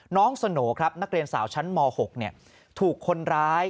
น้องสโหน่ครับนักเรียนสาวชั้นม๖ถูกคนร้าย